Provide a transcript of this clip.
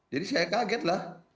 jadi saya kaget lah